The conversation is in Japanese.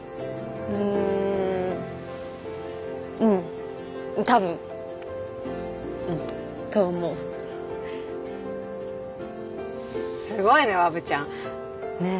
うーんうん多分うんと思うすごいねわぶちゃんねえ